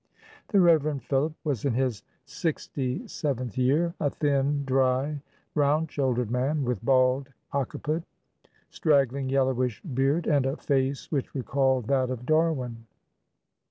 The Rev. Philip was in his sixty seventh year; a thin, dry, round shouldered man, with bald occiput, straggling yellowish beard, and a face which recalled that of Darwin.